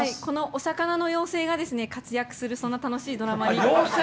お魚の妖精が活躍するそんな楽しいドラマです。